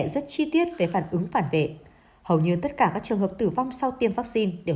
rất chi tiết về phản ứng phản vệ hầu như tất cả các trường hợp tử vong sau tiêm vaccine đều